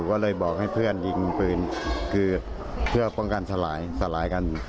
ก็เลยบอกให้เพื่อนยิงปืนคือเพื่อป้องกันสลายสลายกัน